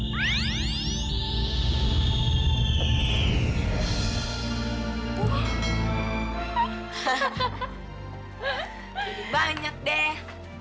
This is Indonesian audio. jadi banyak deh